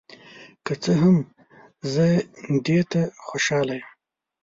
که څه هم، زه دې ته خوشحال یم.